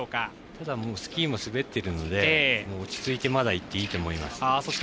ただ、スキーは滑っているので落ち着いてまだいっていいと思います。